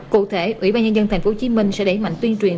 cụ thể ủy ban nhân dân thành phố hồ chí minh sẽ đẩy mạnh tuyên truyền